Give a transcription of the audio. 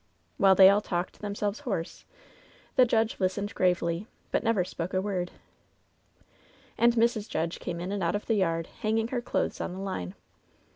While they all talked themselves hoarse, the judge listened gravely, but spoke never a word. "And Mrs. Judge came in and out of the yard, hang ing her clothes on the line.